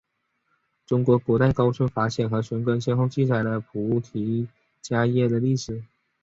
中国古代高僧法显和玄奘先后记载了菩提伽耶的历史。